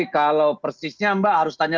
kalau persisnya mbak harus tanya